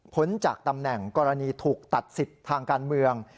จากตำแหน่งกรณีถูกตัดสิทธิ์ทางการเมือง